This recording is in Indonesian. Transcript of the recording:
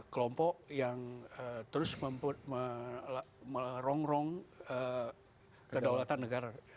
kelompok yang terus merongrong kedaulatan negara